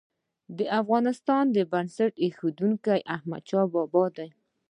د افغانستان بنسټ ايښودونکی احمدشاه بابا دی.